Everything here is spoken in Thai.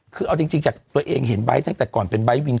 คือเอาจริงจากตัวเองเห็นไบท์ตั้งแต่ก่อนเป็นไบท์วิน